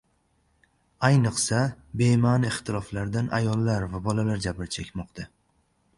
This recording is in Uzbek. Ayniqsa, bema’ni ixtiloflardan ayollar va bolalar jabr chekmoqda.